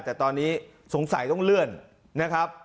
แต่ตอนนี้สงสัยต้องเลื่อนนะครับ